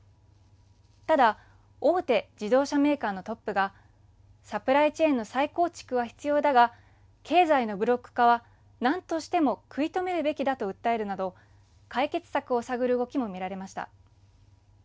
ただ大手自動車メーカーのトップがサプライチェーンの再構築は必要だが経済のブロック化は何としても食い止めるべきだと訴えるなど解決策を探る動きもみられました。